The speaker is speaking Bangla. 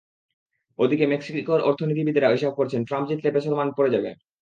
ওদিকে মেক্সিকোর অর্থনীতিবিদেরা হিসাব করছেন, ট্রাম্প জিতলে পেসোর মান পড়ে যাবে।